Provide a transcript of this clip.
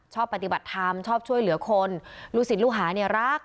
ชอบปฏิบัติธรรมชอบช่วยเหลือคนลูกศิษย์ลูกหาเนี่ยรัก